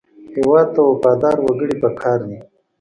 هېواد ته وفادار وګړي پکار دي